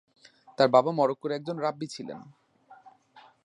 তাঁর বাবা মরক্কোর একজন রাব্বি ছিলেন।